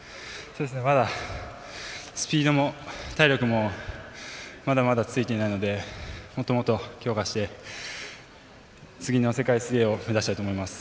まだ、スピードも体力もまだまだついていないのでもっともっと強化して次の世界水泳を目指したいと思います。